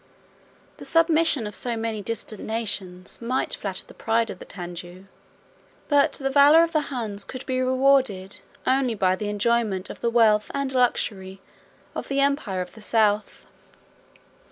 The submission of so many distant nations might flatter the pride of the Tanjou; but the valor of the Huns could be rewarded only by the enjoyment of the wealth and luxury of the empire of the South.